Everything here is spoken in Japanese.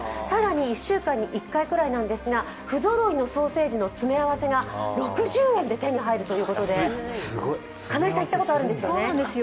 更に１週間に１回ぐらいなんですが不ぞろいのソーセージの詰め合わせが６０円で手に入るということで、金井さん行ったことあるんですよね。